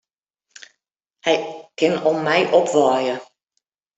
Hy kin om my opwaaie.